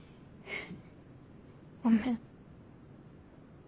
ごめん。